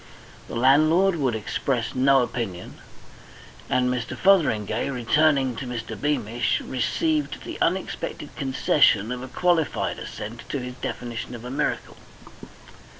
The landlord would express no opinion, and Mr. Fotheringay, returning to Mr. Beamish, received the unexpected concession of a qualified assent to his definition of a miracle.